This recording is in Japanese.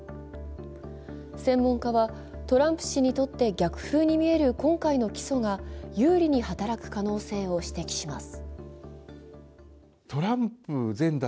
専門家は、トランプ氏にとって逆風に見える今回の起訴が有利に働く可能性を指摘します。